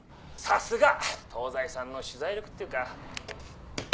さすが『東西』さんの取材力っていうか。